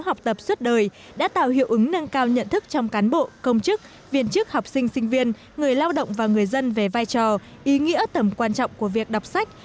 học tập suốt đời đã tạo hiệu ứng nâng cao nhận thức trong cán bộ công chức viên chức học sinh sinh viên người lao động và người dân về vai trò ý nghĩa tầm quan trọng của việc đọc sách